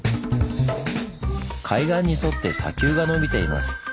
海岸に沿って砂丘がのびています。